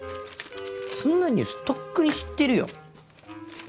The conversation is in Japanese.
そんなニュースとっくに知ってるよ。